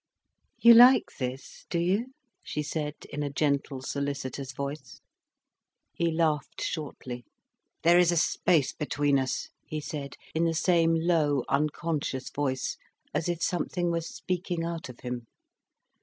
"You like this, do you?" she said, in a gentle, solicitous voice. He laughed shortly. "There is a space between us," he said, in the same low, unconscious voice, as if something were speaking out of him.